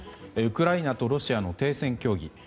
ウクライナとロシアの停戦協議